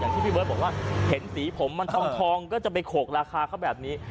ที่พี่เบิร์ตบอกว่าเห็นสีผมมันทองก็จะไปโขกราคาเขาแบบนี้